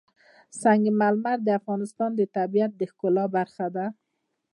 سنگ مرمر د افغانستان د طبیعت د ښکلا برخه ده.